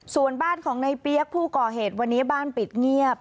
ส่วนบ้านของในเปี๊ยกผู้ก่อเหตุวันนี้บ้านปิดเงียบ